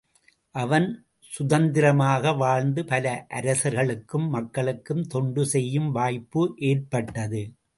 அவன் சுதந்தரமாக வாழ்ந்து, பல அரசர்களுக்கும் மக்களுக்கும் தொண்டு செய்யும் வாய்ப்பு ஏற்பட்டது.